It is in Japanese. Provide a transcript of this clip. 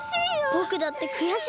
ぼくだってくやしいです。